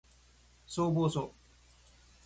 消防署